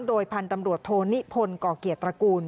โดยพันธุ์ตำรวจโทวิทูลนิพลก๋อกเกียรตรกูล